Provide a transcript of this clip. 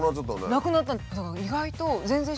なくなった。